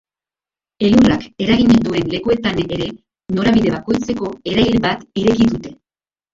Elurrak eragin duen lekuetan ere norabide bakoitzeko erail bat ireki dute.